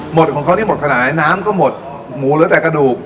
หมดของเค้าที่หมดขนายน้ำก็หมดหมูเหลือแต่กระดูก